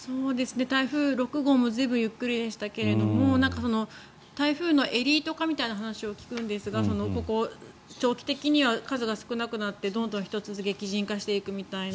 台風６号も随分ゆっくりでしたが台風のエリート化みたいな話を聞くんですが長期的には数が少なくなってどんどん１つが激甚化していくみたいな。